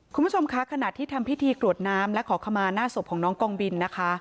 คุณผู้ชมคะขณะที่ทำพิธีกรวดน้ำและขอขมาหน้าศพของน้องกองบินนะคะ